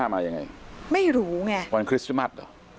มายังไงไม่รู้ไงวันคริสต์มัสเหรอ